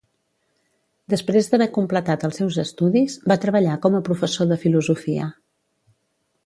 Després d'haver completat els seus estudis, va treballar com a professor de filosofia.